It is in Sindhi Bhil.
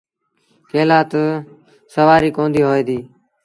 ڪݩهݩ لآ تا سُوآريٚ ڪونديٚ هوئي ديٚ۔